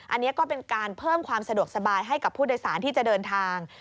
อันนี้ก็เป็นการเพิ่มความสะดวกสบายให้กับผู้โดยสารที่จะเดินทาง